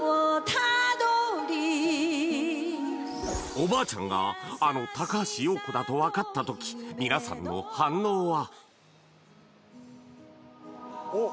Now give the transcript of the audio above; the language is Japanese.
おばあちゃんがあの高橋洋子だと分かった時皆さんの反応は！？